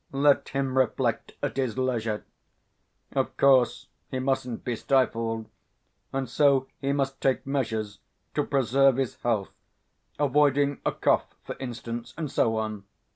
Let him reflect at his leisure. Of course he mustn't be stifled, and so he must take measures to preserve his health, avoiding a cough, for instance, and so on....